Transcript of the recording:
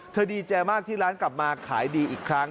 ดีใจมากที่ร้านกลับมาขายดีอีกครั้ง